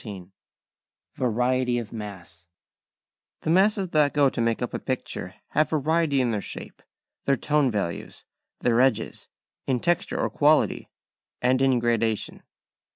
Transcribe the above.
XIII VARIETY OF MASS The masses that go to make up a picture have variety in their #shape#, their #tone values#, their #edges#, in #texture# or #quality#, and in #gradation#.